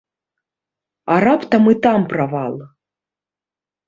А раптам і там правал?